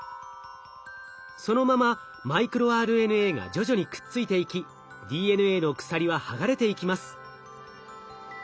そのままマイクロＲＮＡが徐々にくっついていきＤＮＡの鎖は剥がれていきます。